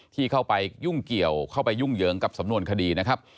ที่เข้าไปยุ่งเกี่ยวเข้าไปยุ่งเหยิงกับสำนวนคดีนะครับ